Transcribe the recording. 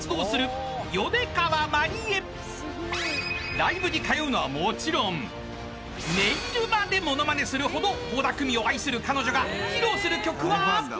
［ライブに通うのはもちろんネイルまでモノマネするほど倖田來未を愛する彼女が披露する曲は］